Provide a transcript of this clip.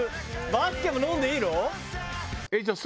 バスケも飲んでいいの？